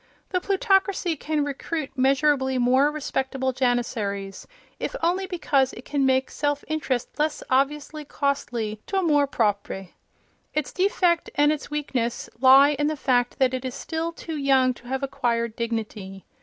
The plutocracy can recruit measurably more respectable janissaries, if only because it can make self interest less obviously costly to amour propre. Its defect and its weakness lie in the fact that it is still too young to have acquired dignity.